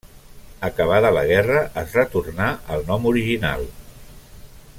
Acabada la guerra, es retornà al nom original.